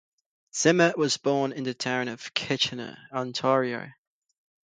Zimmer was born in the town of Kitchener, Ontario.